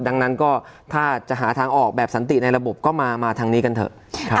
ดังนั้นก็ถ้าจะหาทางออกแบบสันติในระบบก็มาทางนี้กันเถอะ